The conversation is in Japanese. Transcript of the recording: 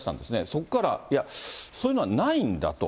そこから、いや、そういうのはないんだと。